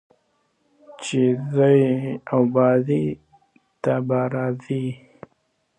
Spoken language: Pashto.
چې ځې ځې ابازو ته به راځې